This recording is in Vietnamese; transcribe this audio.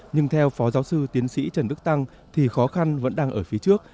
nhưng theo phó giáo sư tiến sĩ trần đức tăng thì khó khăn vẫn đang ở phía trước